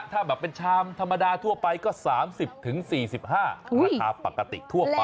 ถ้าแบบเป็นชามธรรมดาทั่วไปก็สามสิบถึงสี่สิบห้าราคาปกติทั่วไป